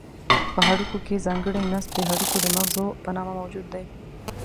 په هډوکو کې ځانګړی نسج د هډوکو د مغزو په نامه موجود دی.